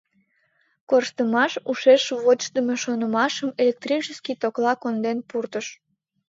Корштымаш ушеш вочдымо шонымашым электрический токла конден пуртыш.